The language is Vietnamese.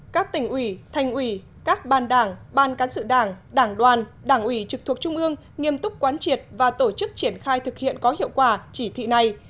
các tỉnh ủy thành ủy các ban đảng ban cán sự đảng đảng đoàn đảng ủy trực thuộc trung ương nghiêm túc quán triệt và tổ chức triển khai thực hiện có hiệu quả chỉ thị này